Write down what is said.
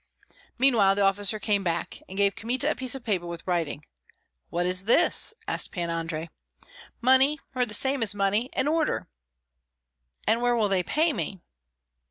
Meanwhile the officer came back, and gave Kmita a piece of paper with writing. "What is this?" asked Pan Andrei. "Money or the same as money, an order." "And where will they pay me?"